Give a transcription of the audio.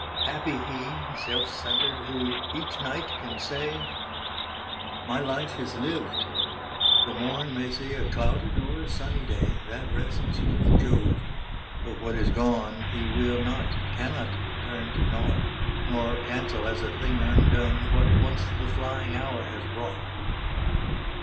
Happy he, Self centred, who each night can say, "My life is lived: the morn may see A clouded or a sunny day: That rests with Jove: but what is gone, He will not, cannot turn to nought; Nor cancel, as a thing undone, What once the flying hour has brought."